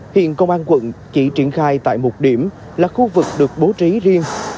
hiện công an quận chỉ triển khai tại một điểm là khu vực được bố trí riêng